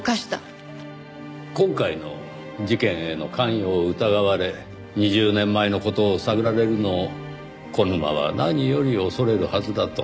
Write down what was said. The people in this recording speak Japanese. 今回の事件への関与を疑われ２０年前の事を探られるのを小沼は何より恐れるはずだと。